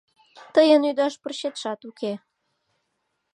Тыйын ӱдаш пырчетшат уке.